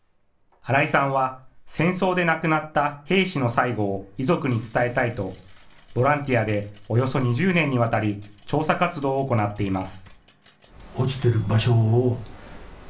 新井さんは、戦争で亡くなった兵士の最期を遺族に伝えたいとボランティアでおよそ２０年にわたり調査活動を行っています。